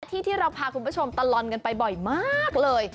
ที่ที่เราพาคุณผู้ชมตลอดกันไปบ่อยมากเลย